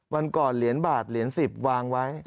วันก่อนเหรียญบาทเหรียญ๑๐วางไว้